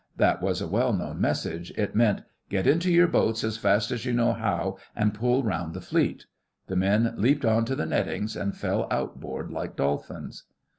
That was a well known message. It meant: 'Get into your boats as fast as you know how and pull round the Fleet.' The men leaped on to the nettings and fell outboard like dolphins.